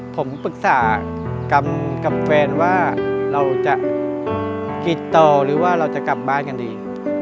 ผมปรึกษากับแฟนว่าเราจะติดต่อหรือว่าเราจะกลับบ้านกันดี